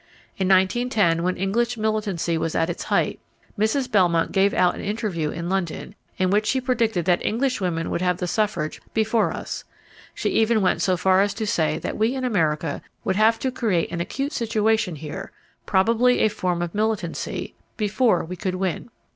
In 1910, when English militancy was at its height, Mrs. Belmont gave out an interview in London, in which she predicted that English women would have the suffrage before us. She even went so far as to say that we in America would have to create an acute situation here, probably a form of militancy, before we could win.